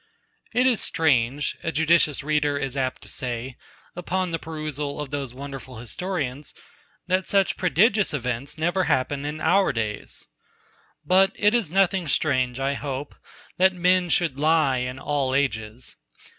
It is strange, a judicious reader is apt to say, upon the perusal of these wonderful historians, that such prodigious events never happen in our days. But it is nothing strange, I hope, that men should lie in all ages.